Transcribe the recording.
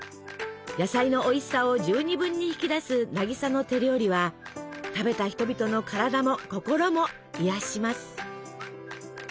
野菜のおいしさを十二分に引き出す渚の手料理は食べた人々の体も心も癒やします。